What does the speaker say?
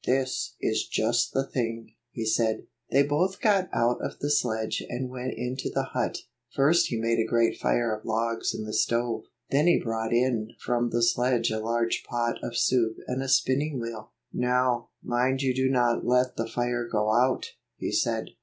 "This is just the thing," he said. They both got out of the sledge and went into the hut. First he made a great fire of logs in the stove. Then he brought in from the sledge a large pot of soup and a spinning wheel. "Now, mind you do not let the fire go out," he said.